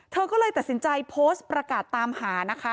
เธอก็เลยตัดสินใจโพสต์ประกาศตามหานะคะ